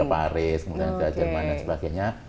ke paris kemudian ke jerman dan sebagainya